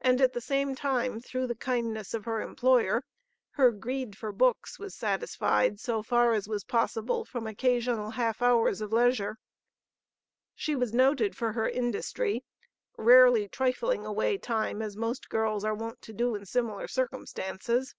and at the same time, through the kindness of her employer, her greed for books was satisfied so far as was possible from occasional half hours of leisure. She was noted for her industry, rarely trifling away time as most girls are wont to do in similar circumstances.